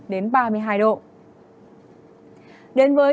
đến với thuận hóa